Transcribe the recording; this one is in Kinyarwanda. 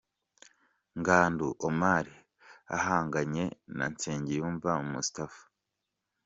Ngandu Omar ahanganye na Nsengiyumva Moustapha.